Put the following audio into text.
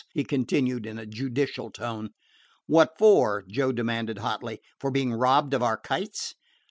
he continued in a judicial tone. "What for?" Joe demanded hotly. "For being robbed of our kites?"